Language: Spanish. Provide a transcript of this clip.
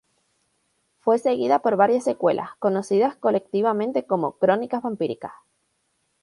Fue seguida por varias secuelas, conocidas colectivamente como "Crónicas Vampíricas".